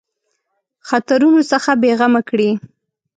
خطرونو څخه بېغمه کړي.